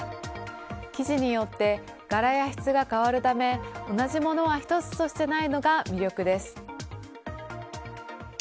生地によって柄や質が変わるため、同じものは１つとしてないのが魅力です。